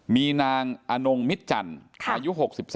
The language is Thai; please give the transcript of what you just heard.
มีนางอนงมิตจันทร์อายุ๖๓